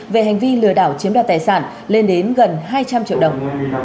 về hành vi lừa đảo chiếm đoạt tài sản lên đến gần hai trăm linh triệu đồng